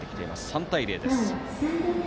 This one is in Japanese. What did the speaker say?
３対０です。